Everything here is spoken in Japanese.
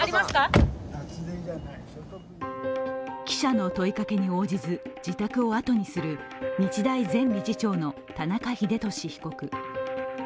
記者の問いかけに応じず自宅をあとにする日大前理事長の田中英寿被告。